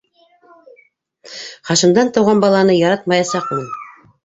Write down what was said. Хашимдан тыуған баланы яратмаясаҡмын!